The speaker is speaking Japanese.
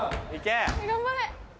頑張れ！